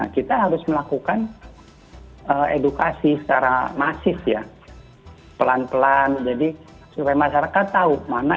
kita harus melakukan edukasi secara masif ya pelan pelan jadi supaya masyarakat tahu mana